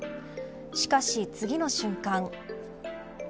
しかし次の瞬間。